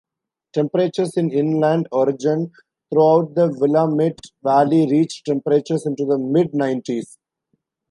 Temperatures in inland Oregon throughout the Willamette Valley reached temperatures into the mid-nineties.